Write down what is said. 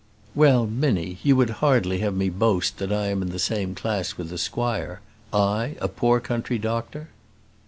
"Well, Minnie, you would hardly have me boast that I am the same class with the squire I, a poor country doctor?"